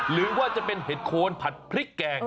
หรือว่าจะเป็นเห็ดโคนผัดพริกแกง